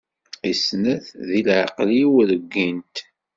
I snat di leɛqeli-iw reggint.